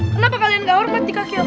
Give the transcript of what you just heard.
kenapa kalian nggak hormat di kaki aku